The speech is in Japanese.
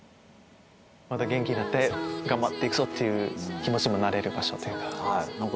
また元気になって頑張って行くぞっていう気持ちにもなれる場所というか。